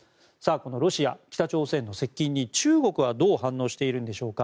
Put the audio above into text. このロシア・北朝鮮の接近に中国はどう反応しているんでしょうか。